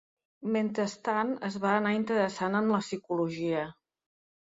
Mentrestant, es va anar interessant en la psicologia.